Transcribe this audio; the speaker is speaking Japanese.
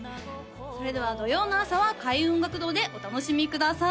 それでは土曜の朝は開運音楽堂でお楽しみください